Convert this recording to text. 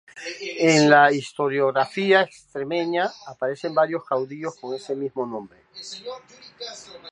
En la historiografía extremeña aparecen varios caudillos con este mismo nombre.